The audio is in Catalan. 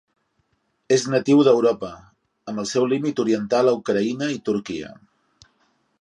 És natiu d'Europa, amb el seu límit oriental a Ucraïna i Turquia.